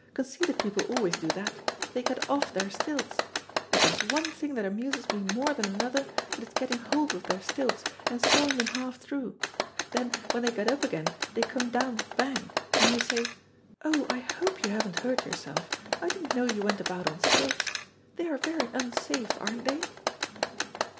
Conceited people always do that. They get off their stilts. If there's one thing that amuses me more than another, it is getting hold of their stilts and sawing them half through. Then, when they get up again they come down 'Bang,' and you say: 'Oh, I hope you haven't hurt yourself. I didn't know you went about on stilts. They are very unsafe, aren't they?'"